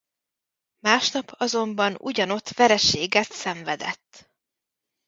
Másnap azonban ugyanott vereséget szenvedett.